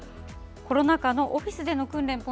コロナ禍のオフィスでの訓練